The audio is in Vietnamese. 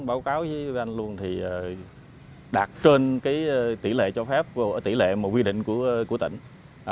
báo cáo với anh luôn thì đạt trên tỷ lệ cho phép tỷ lệ quy định của tổng số